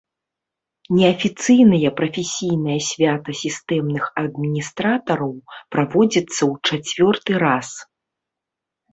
Неафіцыйнае прафесійнае свята сістэмных адміністратараў праводзіцца ў чацвёрты раз.